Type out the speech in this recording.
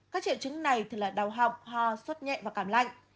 các triệu chứng này là đau họng ho suốt nhẹ và cảm lạnh